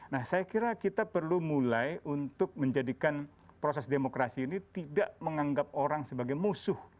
nah saya kira kita perlu mulai untuk menjadikan proses demokrasi ini tidak menganggap orang sebagai musuh